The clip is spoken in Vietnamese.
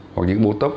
hoặc những bò tóc